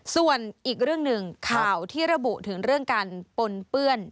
ส่วนอีกเรื่องหนึ่งข่าวที่ระบุถึงเรื่องการปนเปื้อน